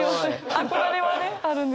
憧れはねあるんですけど。